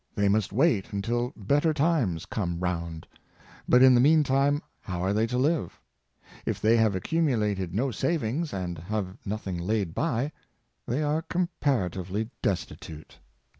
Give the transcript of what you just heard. They must wait until 28 434: Uses of Saved Money, better times come round. But in the meantime how are they to Hve? If they have accumulated no sav ings, and have nothing laid by, they are comparatively destitute.